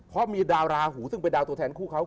เพราะมีดาวราหูซึ่งเป็นดาวตัวแทนคู่เขา